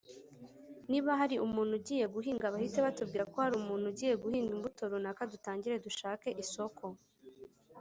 niba umuntu agiye guhinga bahite batubwira ko hari umuntu ugiye guhinga imbuto runaka dutangire dushake isoko”